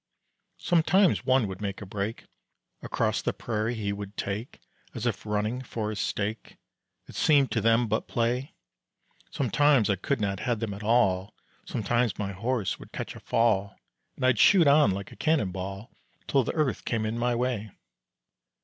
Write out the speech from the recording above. Sometimes one would make a break, Across the prairie he would take, As if running for a stake, It seemed to them but play; Sometimes I could not head them at all, Sometimes my horse would catch a fall And I'd shoot on like a cannon ball Till the earth came in my way.